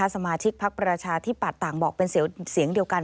สมาชิกพักประชาธิปัตย์ต่างบอกเป็นเสียงเดียวกัน